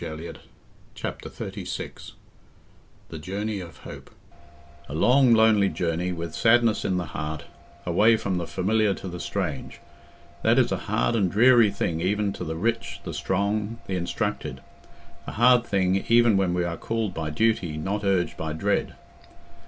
Book Fifth Chapter XXXVI The Journey of Hope A long, lonely journey, with sadness in the heart; away from the familiar to the strange: that is a hard and dreary thing even to the rich, the strong, the instructed; a hard thing, even when we are called by duty, not urged by dread.